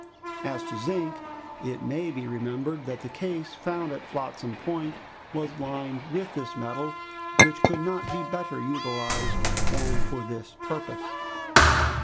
As to zinc, it may be remembered that the case found at Flotsam Point was lined with this metal, which could not be better utilized than for this purpose.